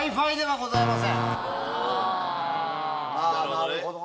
なるほどね。